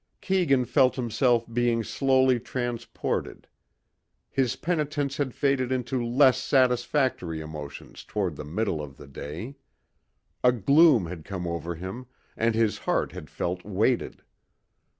Keegan felt himself being slowly transported. His penitence had faded into less satisfactory emotions toward the middle of the day. A gloom had come over him and his heart had felt weighted.